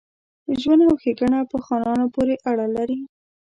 ژوند او ښېګڼه په خانانو پوري اړه لري.